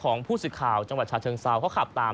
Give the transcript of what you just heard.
ของผู้สื่อข่าวจังหวัดชาเชิงเซาเขาขับตาม